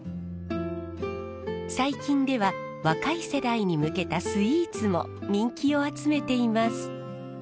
最近では若い世代に向けたスイーツも人気を集めています。